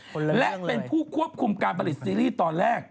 คนละเรื่องเลยและเป็นผู้ควบคุมการผลิตซีรีส์ตอนแรก